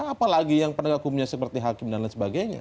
apalagi yang penegak hukumnya seperti hakim dan lain sebagainya